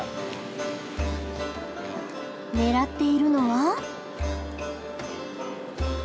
狙っているのは。